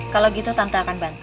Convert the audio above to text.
kalau gitu tante akan bantu